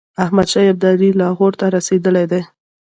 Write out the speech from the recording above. احمدشاه ابدالي لاهور ته رسېدلی دی.